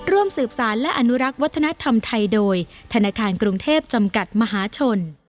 ร่วมสืบสารและอนุรักษ์วัฒนธรรมไทยโดยธนาคารกรุงเทพจำกัดมหาชน